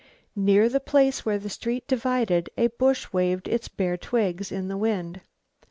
Near the place where the street divided a bush waved its bare twigs in the wind.